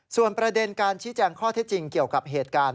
ส่วนประเด็นการชี้แจงข้อเท็จจริงเกี่ยวกับเหตุการณ์